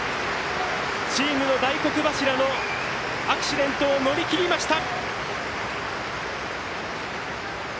チームの大黒柱のアクシデントを乗り切りました！